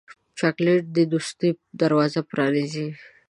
چاکلېټ د دوستۍ دروازه پرانیزي.